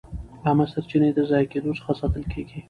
عامه سرچینې د ضایع کېدو څخه ساتل کېږي.